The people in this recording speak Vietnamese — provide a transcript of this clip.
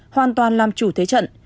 hoàn toàn làm chủ thế trận